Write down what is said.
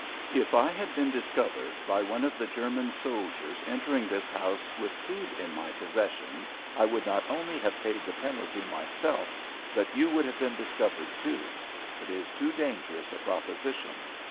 If I had been discovered by one of the German soldiers entering this house with food in my possession, I would not only have paid the penalty myself, but you would have been discovered, too. It is too dangerous a proposition.